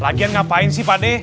lagian ngapain sih pade